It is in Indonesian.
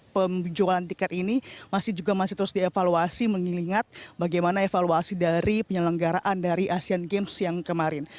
penjualan tiket ini masih juga masih terus dievaluasi mengingat bagaimana evaluasi dari penyelenggaraan dari asian games yang kemarin